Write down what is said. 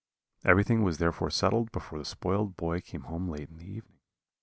Everything was therefore settled before the spoiled boy came home late in the evening.